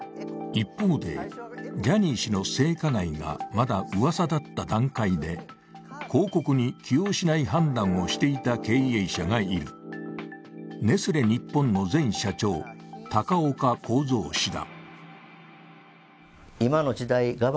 一方で、ジャニー氏の性加害がまだうわさだった段階で広告に起用しない判断をしていた経営者がいるネスレ日本の前社長、高岡浩三氏だ。